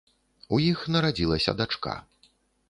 У іх нарадзілася дачка.